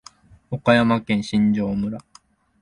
岡山県新庄村